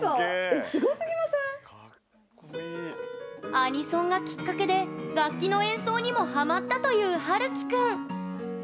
アニソンがきっかけで楽器の演奏にもハマったというはるき君。